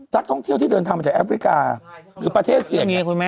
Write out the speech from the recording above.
นักท่องเที่ยวที่เดินทางมาจากแอฟริกาหรือประเทศเสี่ยง